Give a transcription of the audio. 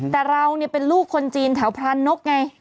แต่เราเป็นลูกคนจีนแถวพรานนกไง